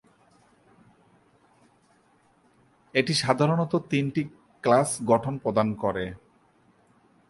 এটি সাধারণত তিনটি কেলাস গঠন প্রদান করে।